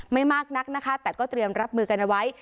ไม่มากนักนะคะแต่ก็เตรียมรับมือกันเอาไว้